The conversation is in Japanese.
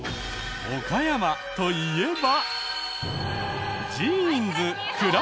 岡山と言えば。